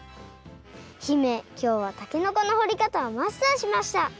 姫きょうはたけのこのほりかたをマスターしました！